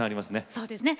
そうですね。